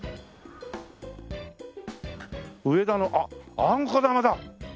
植田のあっあんこ玉だ。